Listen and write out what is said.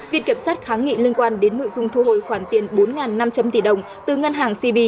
viện kiểm sát kháng nghị liên quan đến nội dung thu hồi khoản tiền bốn năm trăm linh tỷ đồng từ ngân hàng cb